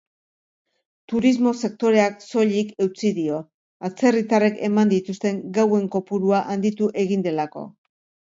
Turismo-sektoreak soilik eutsi dio, atzerritarrek eman dituzten gauen kopurua handitu egin delako.